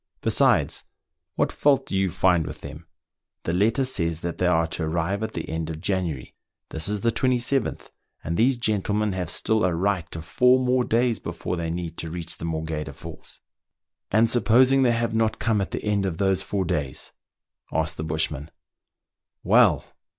Besides, what fault do you find with them ? The letter says they are to arrive at the end of January ; this is the a7th, and these gentlemen have still a right to four more days before they need to reach the Morgheda Falls." " And supposing they have not come at the end of those four days .<*" asked the bushman. " Well